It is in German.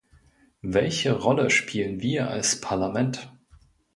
Welche Rolle spielen wir als Parlament?